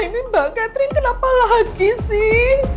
ini mbak catherine kenapa lagi sih